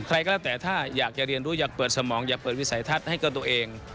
ใครก็แล้วแต่ถ้าอยากจะเรียนรู้อยากเปิดสมองอยากเปิดวิสัยทัศน์ให้กับตัวเอง